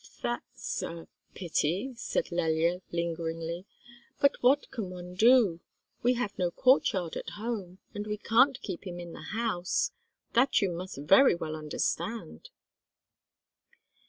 "That's—a—pity," said Lelya lingeringly. "But what can one do? We have no courtyard at home, and we can't keep him in the house, that you must very well understand."